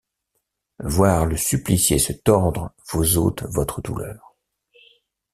Voir le supplicié se tordre vous ôte votre douleur.